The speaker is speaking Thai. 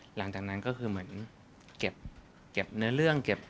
หลังจากนั้นก็คือเหมือนเก็บเนื้อเรื่องเก็บ